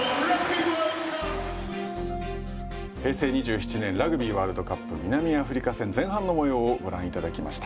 平成２７年ラグビーワールドカップ南アフリカ戦前半の模様をご覧いただきました。